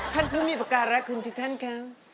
ท่านพิวมีปากการแรกที่ท่านครับ